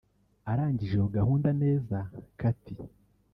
Arangije iyo gahunda neza Katie